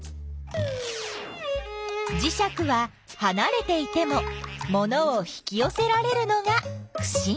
じしゃくははなれていてもものを引きよせられるのがふしぎ。